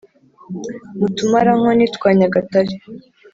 Mu Tumarankoni twa Nyagatare